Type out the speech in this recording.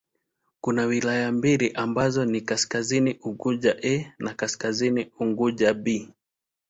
Kuna wilaya mbili ambazo ni Kaskazini Unguja 'A' na Kaskazini Unguja 'B'.